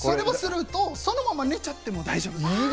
それをすると、そのまま寝ちゃっても大丈夫。